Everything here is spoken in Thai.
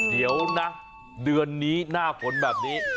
เดี๋ยวนะเดือนนี้หน้าฝนแบบนี้